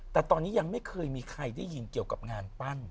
แต่ตอนนี้ยังไม่เคยมีใครได้ยินเกี่ยวกับงานปั้น